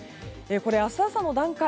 これ、明日朝の段階。